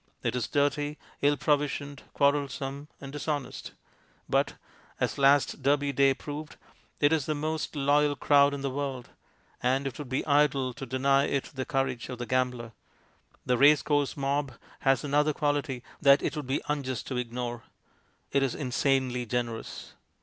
It is dirty, ill provisioned, quarrelsome, and dishonest. But, as last Derby Day proved, it is the most loyal crowd in the world, and it would be idle to deny it the courage of the gambler. The race course mob has another quality that it would be unjust to ignore ; it is insanely generous.